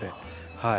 はい。